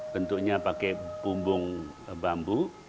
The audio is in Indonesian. bentuknya pakai bumbung bambu